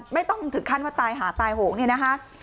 ไม่ต้องถึงขั้นว่าตายหาตายโหงเนี่ยนะคะ